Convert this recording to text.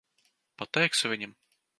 Pateiksi viņam?